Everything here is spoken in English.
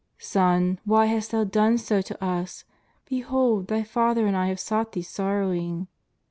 " Son, why hast Thou done so to us ? Behold Tbiy father and I have sought Thee sorrowing."